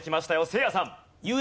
せいやさん。